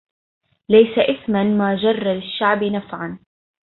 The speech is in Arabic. ليس إثما ما جر للشعب نفعا